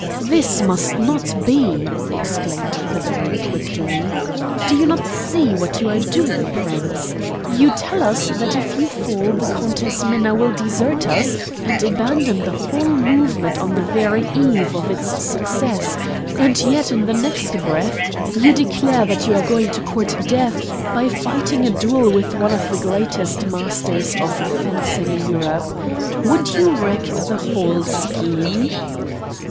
"This must not be!" exclaimed the baron quickly. "Do you not see what you are doing, Prince? You tell us that if you fall the Countess Minna will desert us and abandon the whole movement on the very eve of its success; and yet in the next breath you declare that you are going to court death by fighting a duel with one of the greatest masters of fencing in Europe. Would you wreck the whole scheme?"